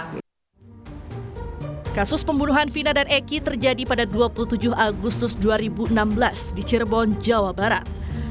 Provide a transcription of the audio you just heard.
kasus pembunuhan vina dan eki terjadi pada dua puluh tujuh agustus dua ribu enam belas di cirebon jawa barat